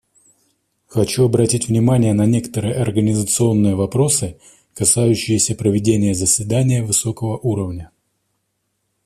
Хочу обратить внимание на некоторые организационные вопросы, касающиеся проведения заседания высокого уровня.